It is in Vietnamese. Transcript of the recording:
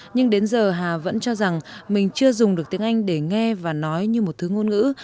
nhưng đến giờ hà vẫn cho rằng mình chưa dùng được tiếng anh để nghe và nói như một thứ ngôn ngữ